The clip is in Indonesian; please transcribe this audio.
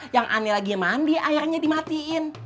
yang aneh lagi mandi airnya dimatiin